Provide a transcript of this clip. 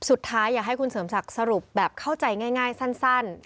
สุดท้ายอยากให้คุณเสริมศักดิ์สรุปแบบเข้าใจง่ายสั้น